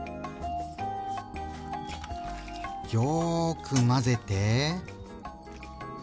よく混ぜて。